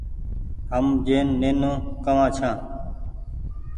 هم جين نينو ڪوآن ڇآن